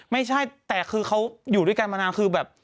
ไม่ใช่แต่คือเขาอยู่ด้วยกันมานานคือแบบ